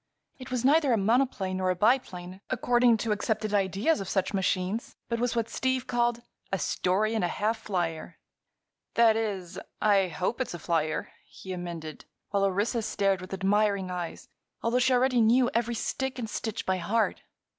It was neither a monoplane nor a biplane, according to accepted ideas of such machines, but was what Steve called "a story and a half flyer." "That is, I hope it's a flyer," he amended, while Orissa stared with admiring eyes, although she already knew every stick and stitch by heart.